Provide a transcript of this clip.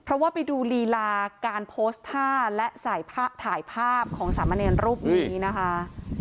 เพราะว่าไปดูลีลาการโพสต์ท่าและถ่ายภาพของสามเณรรูปนี้นะคะ